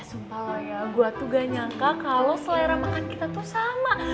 eh sumpah lo ya gue tuh gak nyangka kalo selera makan kita tuh sama